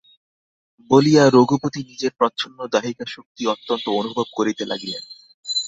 বলিয়া রঘুপতি নিজের প্রচ্ছন্ন দাহিকাশক্তি অত্যন্ত অনুভব করিতে লাগিলেন।